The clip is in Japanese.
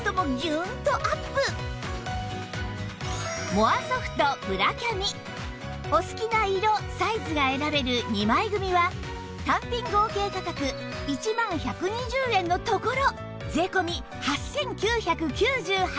モアソフトブラキャミお好きな色サイズが選べる２枚組は単品合計価格１万１２０円のところ税込８９９８円